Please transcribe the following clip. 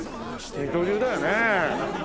二刀流だよねえ。